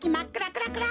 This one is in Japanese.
クラクラ